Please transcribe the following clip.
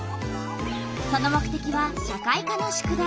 その目てきは社会科の宿題。